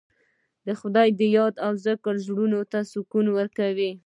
د خدای یاد او ذکر زړونو ته سکون ورکوي.